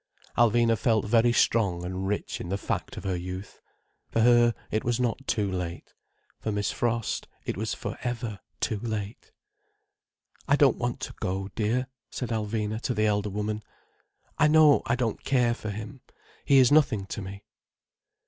Alvina felt very strong and rich in the fact of her youth. For her it was not too late. For Miss Frost it was for ever too late. "I don't want to go, dear," said Alvina to the elder woman. "I know I don't care for him. He is nothing to me."